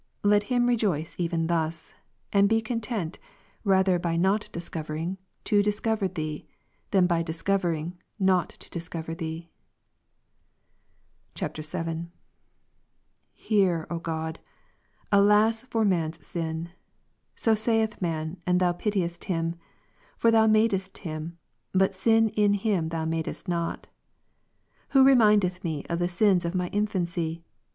Let him rejoice even thus; and be content rather by not discovering to discover Thee, than by discovering not to discover Thee. [VIL] ll.Hear, OGod. Alas, for man's sin! Sosaithman, and Thou pitiest him; for Thou madest him, but sin in him Thou madest not. Who remindeth me of the sins of my .Job 25, infancy